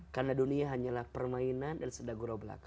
karena dunia hanyalah permainan dan senda gurau belaka